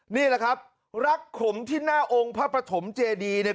นี่แหละครับรักขมที่หน้าองค์พระปฐมเจดีเนี่ย